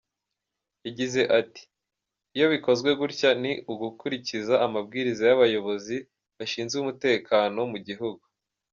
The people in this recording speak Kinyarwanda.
Yagize ati « iyo bikozwe gutya ni ugukurikiza amabwiriza y’abayobozi bashinze umutekano mu gihugu.